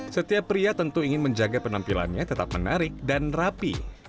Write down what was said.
setiap pria tentu ingin menjaga penampilannya tetap menarik dan rapi